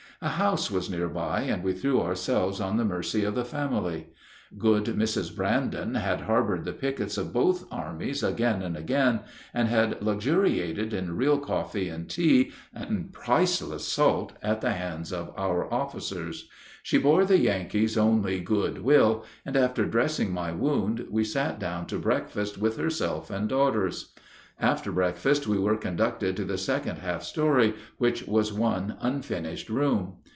A house was near by and we threw ourselves on the mercy of the family. Good Mrs. Brandon had harbored the pickets of both armies again and again, and had luxuriated in real coffee and tea and priceless salt at the hands of our officers. She bore the Yankees only good will, and after dressing my wound we sat down to breakfast with herself and daughters. After breakfast we were conducted to the second half story, which was one unfinished room.